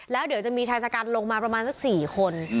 แล้วเดี๋ยวจะมีชายชะกันลงมาประมาณสัก๔คน